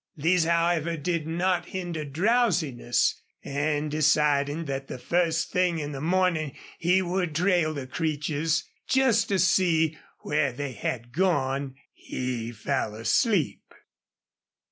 These, however, did not hinder drowsiness, and, deciding that the first thing in the morning he would trail the Creeches, just to see where they had gone, he fell asleep.